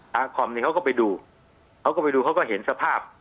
คอมนี่เขาก็ไปดูเขาก็ไปดูเขาก็เห็นสภาพ